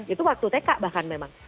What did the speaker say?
itu waktu tk bahkan memang